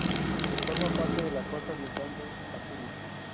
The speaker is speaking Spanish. Forma parte de la Costa Oriental de Asturias.